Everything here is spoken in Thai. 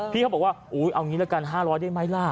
พี่เขาบอกว่าเอางี้ละกัน๕๐๐ได้ไหมล่ะ